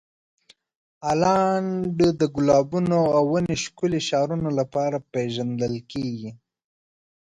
هالنډ د ګلابونو او ونې ښکلې ښارونو لپاره پېژندل کیږي.